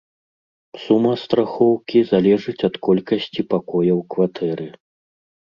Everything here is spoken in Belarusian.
Сума страхоўкі залежыць ад колькасці пакояў кватэры.